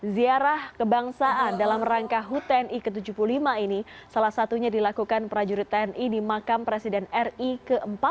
ziarah kebangsaan dalam rangka hut tni ke tujuh puluh lima ini salah satunya dilakukan prajurit tni di makam presiden ri ke empat belas